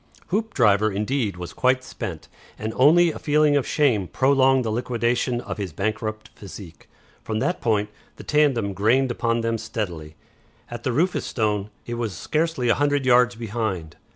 Hoopdriver, indeed, was quite spent, and only a feeling of shame prolonged the liquidation of his bankrupt physique. From that point the tandem grained upon them steadily. At the Rufus Stone, it was scarcely a hundred yards behind.